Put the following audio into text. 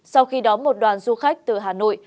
sau khi đón một đoàn du khách từ hà nội